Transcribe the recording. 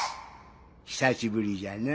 久しぶりじゃな。